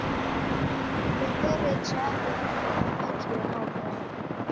Ndederejanyeghe vindo va nakio na omoni.